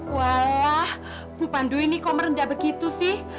wah bu pandu ini kok merendah begitu sih